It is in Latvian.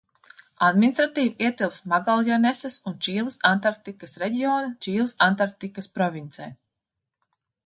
Administratīvi ietilpst Magaljanesas un Čīles Antarktikas reģiona Čīles Antarktikas provincē.